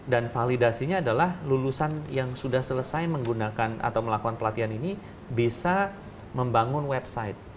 dan validasinya adalah lulusan yang sudah selesai menggunakan atau melakukan pelatihan ini bisa membangun website